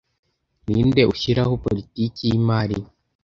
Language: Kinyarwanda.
Ninde ushyiraho politiki yimari